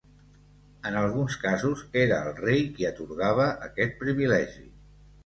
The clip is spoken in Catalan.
En alguns casos era el rei qui atorgava aquest privilegi.